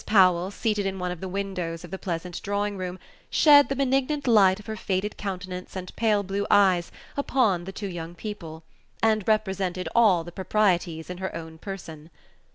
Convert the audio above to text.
Powell, seated in one of the windows of the pleasant drawing room, shed the benignant light of her faded countenance and pale blue eyes upon the two young people, and represented all the proprieties in her own person.